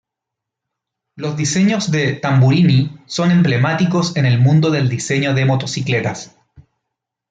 Los diseños de Tamburini son emblemáticos en el mundo del diseño de motocicletas.